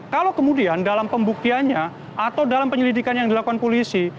kalau kemudian dalam pembuktiannya atau dalam penyelidikan yang dilakukan polisi